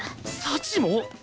幸も！？